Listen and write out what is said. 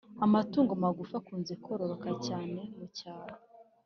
Amatungo magufi akunze kororoka cyane mucyaro